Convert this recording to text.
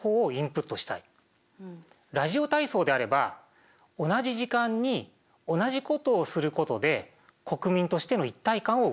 ラジオ体操であれば同じ時間に同じことをすることで国民としての一体感を生む。